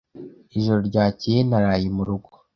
Ijoro ryakeye naraye mu rugo.